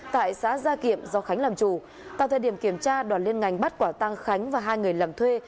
tại xã gia kiệm do khánh làm chủ tại thời điểm kiểm tra đoàn liên ngành bắt quả tăng khánh và hai người làm thuê